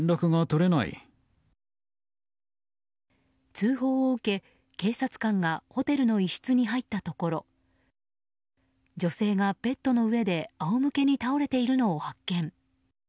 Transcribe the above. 通報を受け、警察官がホテルの一室に入ったところ女性がベッドの上であおむけに倒れているのを発見。